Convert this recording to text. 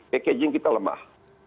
packaging kita lemah